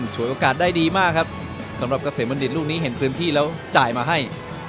ฉวยโอกาสได้ดีมากครับสำหรับเกษมบัณฑิตลูกนี้เห็นพื้นที่แล้วจ่ายมาให้